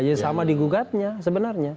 ya sama digugatnya sebenarnya